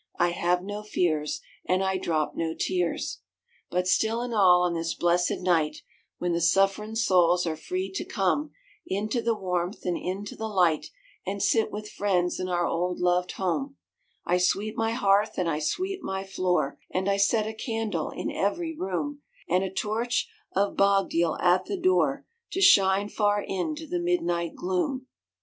I have no fears, and I drop no tears. But still an' all on this blessed night, When the sufferin' souls are free to come Into the warmth and into the light And sit with friends in our old loved home, I sweep my hearth and I sweep my floor, And I set a candle in every room, And a torch of bog deal at the door To shine far into the midnight gloom.